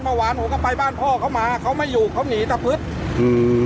เมื่อวานผมก็ไปบ้านพ่อเขามาเขาไม่อยู่เขาหนีตะพึดอืม